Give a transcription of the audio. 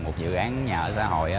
một dự án nhà ở xã hội